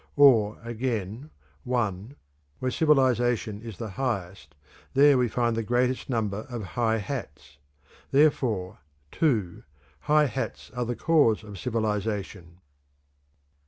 Or, again: (1) Where civilization is the highest, there we find the greatest number of high hats; therefore (2) high hats are the cause of civilization.